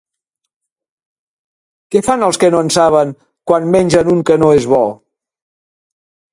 Què fan els qui no en saben quan mengen un que no és bo?